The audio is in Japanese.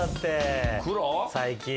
最近。